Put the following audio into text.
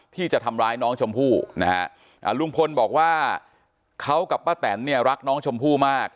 ที่จะทำร้ายน้องชมพู่นะฮะลุงพลบอกว่าเขากับป้าแตนเนี่ยรักน้องชมพู่มาก